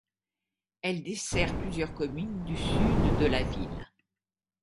Elle dessert plusieurs communes du sud de la ville.